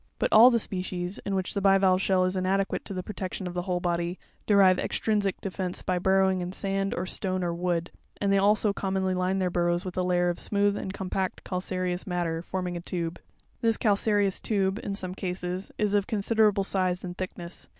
But all the species, in which the bivalve shell is inadequate to the protection of the whole body, derive extrinsic defence by burrowing in sand, or stone, or wood; and they also commonly line their burrows with a layer of smooth and compact cal PARTS OF BIVALVE SHELLS. 97 careous matter, forming a tube. This calcareous tube, in some cases, is of considerable size and thickness.